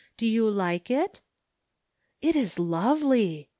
Do you like it? " "It is lovely